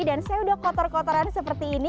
dan saya sudah kotor kotoran seperti ini